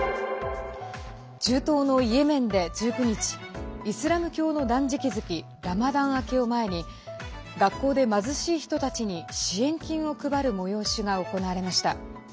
中東のイエメンで１９日イスラム教の断食月ラマダン明けを前に学校で貧しい人たちに支援金を配る催しが行われました。